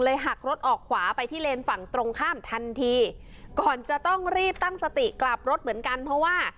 หักรถออกขวาไปที่เลนส์ฝั่งตรงข้ามทันทีก่อนจะต้องรีบตั้งสติกลับรถเหมือนกันเพราะว่า